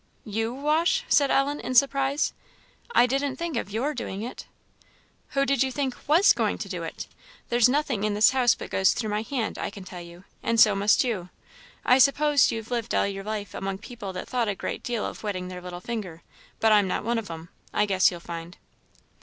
"You wash!" said Ellen, in surprise "I didn't think of your doing it." "Who did you think was going to do it? There's nothing in this house but goes through my hand, I can tell you, and so must you. I suppose you've lived all your life among people that thought a great deal of wetting their little finger! but I'm not one of 'em, I guess you'll find."